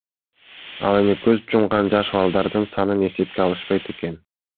Ал эми көз жумган жаш балдардын санын эсепке алышпайт экен.